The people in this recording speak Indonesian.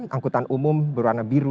angkutan umum berwarna biru